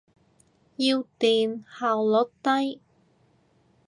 要電，效率低。